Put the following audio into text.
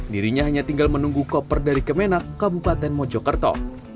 dirinya hanya tinggal menunggu koper dari kemenak kabupaten mojokerto